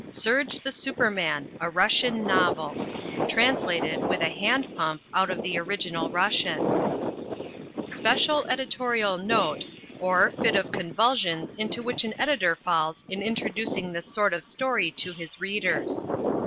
Serge the Superman: A Russian Novel (Translated, with a hand pump, out of the original Russian) SPECIAL EDITORIAL NOTE, OR, FIT OF CONVULSIONS INTO WHICH AN EDITOR FALLS IN INTRODUCING THIS SORT OF STORY TO HIS READERS.